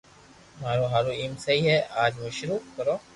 مارو ھارو ايم سھي ھي اج مون ݾروع ڪرو